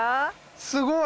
すごい！